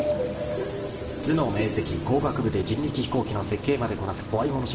［頭脳明晰工学部で人力飛行機の設計までこなす怖いもの